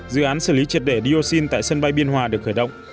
dự án xử lý triệt để dioxin tại sân bay biên hòa được khởi động